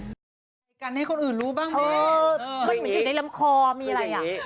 การให้คนอื่นรู้บ้างแม่เออเป็นอย่างเกี่ยวกับ